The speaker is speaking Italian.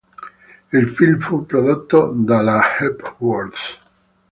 Il film fu prodotto dalla Hepworth.